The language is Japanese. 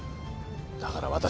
だから。